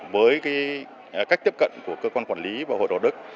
với cách tiếp cận của cơ quan quản lý và hội đạo đức